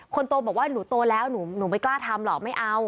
คนโตบอกว่าหนูโตแล้วหนูไม่กล้าทำหรอกไม่เอา